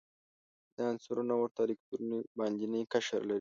دا عنصرونه ورته الکتروني باندینی قشر لري.